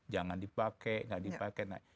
jangan dipakai gak dipakai